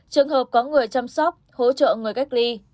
trường hợp có người chăm sóc hỗ trợ người cách ly